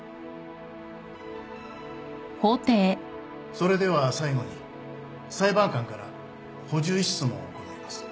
それでは最後に裁判官から補充質問を行います。